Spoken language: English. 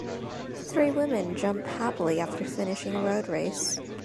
Three women jump happily after finishing a road race.